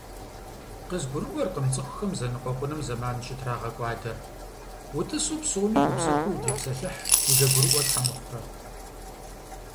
КъызгурыӀурэкъым цӀыхухэм зэныкъуэкъуным зэман щӀытрагъэкӀуэдэр, утӀысу псоми гупсэхуу утепсэлъыхь, узэгурыӏуэ щхьэ мыхъурэ?